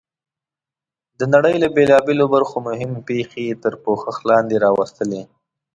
د نړۍ له بېلابېلو برخو مهمې پېښې یې تر پوښښ لاندې راوستلې.